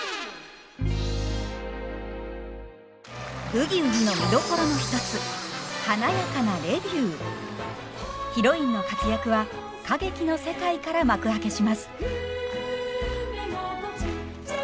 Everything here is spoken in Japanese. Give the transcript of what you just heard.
「ブギウギ」の見どころの一つヒロインの活躍は歌劇の世界から幕開けします。